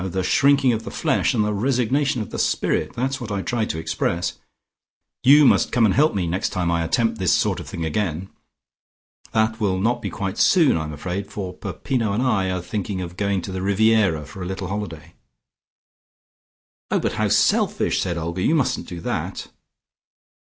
The shrinking of the flesh, and the resignation of the spirit! That is what I tried to express. You must come and help me next time I attempt this sort of thing again. That will not be quite soon, I am afraid, for Peppino and I am thinking of going to the Riviera for a little holiday." "Oh, but how selfish!" said Olga. "You mustn't do that."